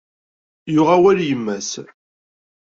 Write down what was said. Yuɣ awal i yemma-s.